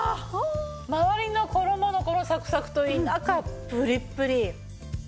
周りの衣のこのサクサクといい中ぷりっぷりっ！